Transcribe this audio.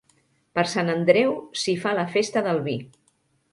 Per Sant Andreu s'hi fa la festa del vi.